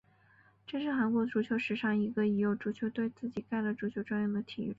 这是韩国足球史上第一次有足球球队自己盖了一个足球专用的体育场。